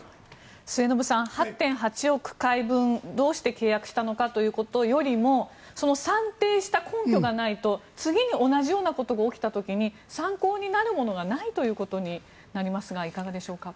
末延さん、８．８億回分どうして契約したのかということよりもその算定した根拠がないと次に同じようなことが起きた時に参考になるものがないということになりますがいかがでしょうか。